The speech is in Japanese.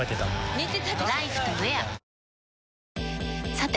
さて！